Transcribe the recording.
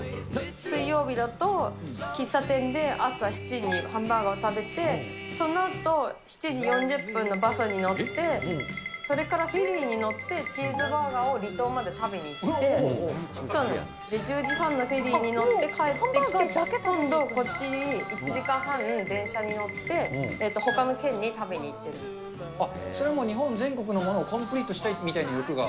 水曜日だと、喫茶店で朝７時にハンバーガー食べて、そのあと７時４０分のバスに乗って、それからフェリーに乗って、チーズバーガーを離島まで食べに行って、それで１０時半のフェリーに乗って帰ってきて、今度、こっち１時間半、電車に乗って、それもう、日本全国のものをコンプリートしたいみたいな欲が。